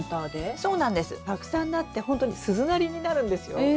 たくさんなって本当に鈴なりになるんですよ。